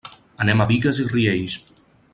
Anem a Bigues i Riells.